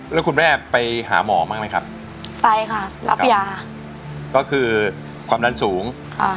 แล้วคุณแม่ไปหาหมอบ้างไหมครับไปค่ะรับยาก็คือความดันสูงอ่า